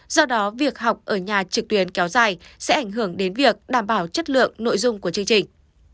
do đó việc học ở nhà trực tuyến kéo dài sẽ ảnh hưởng đến việc đảm bảo chất lượng nội dung của chương trình